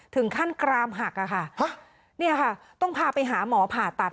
ถึงขั้นกรามหักค่ะต้องพาไปหาหมอผ่าตัด